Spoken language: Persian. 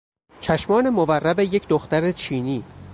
چشمان مورب یک دختر چینی